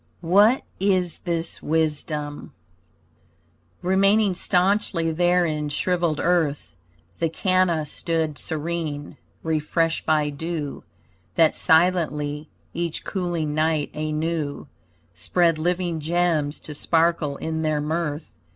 WHAT IS THIS WISDOM Remaining staunchly there in shriveled earth, The canna stood serene, refreshed by dew That silently, each cooling night anew Spread living gems to sparkle in their mirth.